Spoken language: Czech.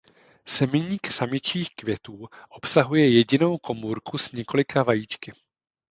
Semeník samičích květů obsahuje jedinou komůrku s několika vajíčky.